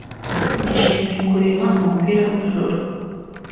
Nishimiye kureba umupira w'ijoro.